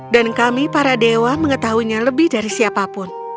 dan kami para dewa mengetahuinya lebih dari siapapun